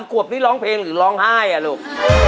ขวบนี้ร้องเพลงหรือร้องไห้อ่ะลูก